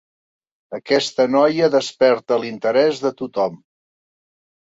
Aquesta noia desperta l'interès de tothom.